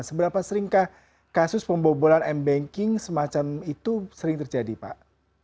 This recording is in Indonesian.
seberapa seringkah kasus pembobolan m banking semacam itu sering terjadi pak